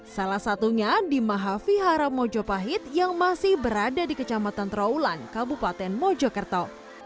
salah satunya di maha vihara mojopahit yang masih berada di kecamatan trawulan kabupaten mojokerto